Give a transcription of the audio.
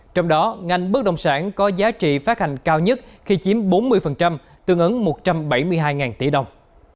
trong đó ngành bất động sản có giá trị phát hành cao nhất khi chiếm bốn mươi tương ứng một trăm bảy mươi hai tỷ đồng